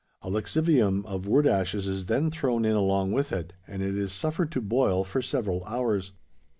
A lixivium of wood ashes is then thrown in along with it; and it is suffered to boil for several hours.